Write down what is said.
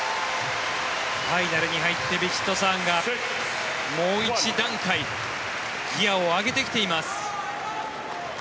ファイナルに入ってヴィチットサーンがもう１段階ギアを上げてきています。